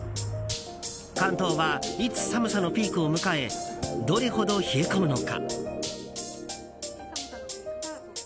関東は、いつ寒さのピークを迎えどれほど冷え込むのか。